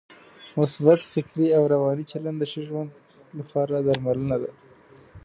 مثبت فکري او روانی چلند د ښه ژوند لپاره درملنه ده.